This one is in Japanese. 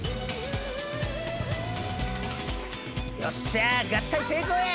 よっしゃ合体成功や！